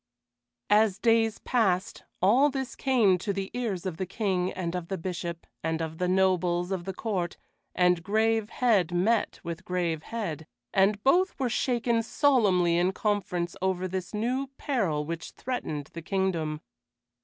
As days passed, all this came to the ears of the King and of the Bishop and of the nobles of the court, and grave head met with grave head, and both were shaken solemnly in conference over this new peril which threatened the kingdom.